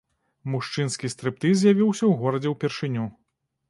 Мужчынскі стрыптыз з'явіўся ў горадзе ўпершыню.